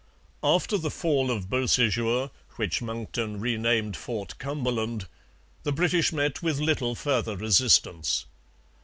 After the fall of Beausejour, which Monckton renamed Fort Cumberland, the British met with little further resistance.